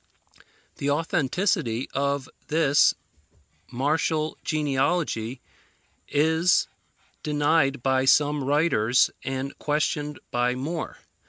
The authenticity of this martial genealogy is denied by some writers, and questioned by more.